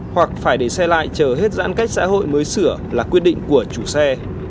hoặc phải để xe lại chờ hết giãn cách xã hội mới sửa là quyết định của chủ xe